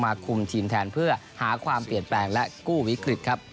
คุมทีมแทนเพื่อหาความเปลี่ยนแปลงและกู้วิกฤตครับ